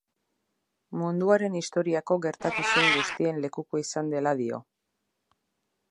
Munduaren historiako gertakizun guztien lekuko izan dela dio.